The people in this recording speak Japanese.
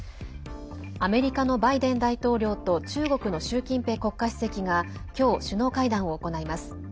アメリカのバイデン大統領と中国の習近平国家主席が今日、首脳会談を行います。